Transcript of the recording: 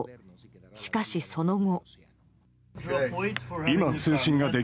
しかし、その後。